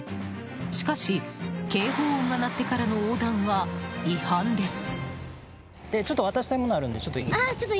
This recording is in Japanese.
しかし、警報音が鳴ってからの横断は違反です。